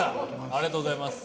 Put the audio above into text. ありがとうございます。